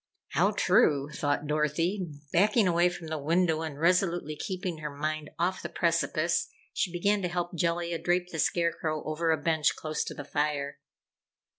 "How true," thought Dorothy. Backing away from the window and resolutely keeping her mind off the precipice, she began to help Jellia drape the Scarecrow over a bench close to the fire.